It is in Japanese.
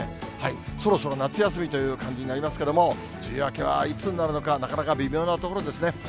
そろそろ夏休みという感じになりますけれども、梅雨明けはいつになるのか、なかなか微妙なところですね。